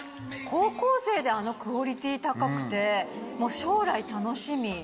高校生であのクオリティ高くて、もう将来楽しみ。